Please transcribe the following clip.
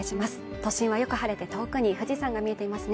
都心はよく晴れて遠くに富士山が見えていますね